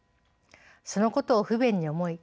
そのことを不便に思い